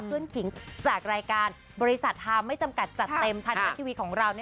เพื่อนขิงจากรายการบริษัทฮาไม่จำกัดจัดเต็มทางเทศทีวีของเรา